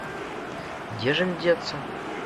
Дзе ж ім дзецца?